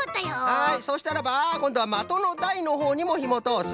はいそしたらばこんどはまとのだいのほうにもひもとおす。